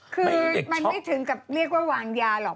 คือมันไม่ถึงกับเรียกว่าวางยาหรอก